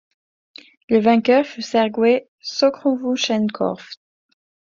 Le vainqueur fut Sergueï Soukhoroutchenkov.